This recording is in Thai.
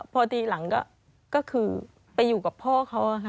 พอตีหลังก็คือไปอยู่กับพ่อเขาค่ะ